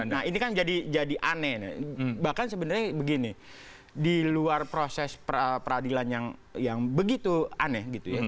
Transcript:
nah ini kan jadi aneh bahkan sebenarnya begini di luar proses peradilan yang begitu aneh gitu ya